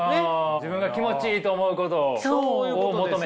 自分が気持ちいいと思うことを求めていいと。